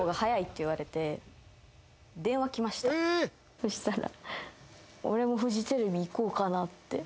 そしたら。